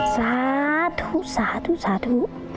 สาธุสาธุสาธุ